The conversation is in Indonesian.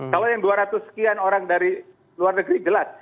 kalau yang dua ratus sekian orang dari luar negeri jelas